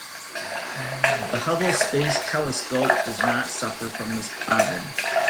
The Hubble Space Telescope does not suffer from this problem.